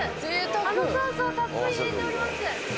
あのソースをたっぷり入れております。